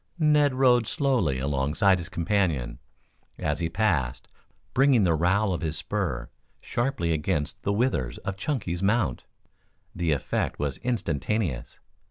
Ned rode slowly alongside his companion, as he passed, bringing the rowel of his spur sharply against the withers of Chunky's mount. The effect was instantaneous.